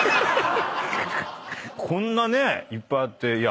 こんなねいっぱいあって。